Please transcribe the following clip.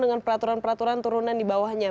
dengan peraturan peraturan turunan dibawahnya